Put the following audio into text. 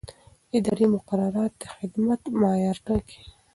اداري مقررات د خدمت د معیار ټاکي.